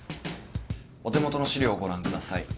お手元の資料をご覧ください。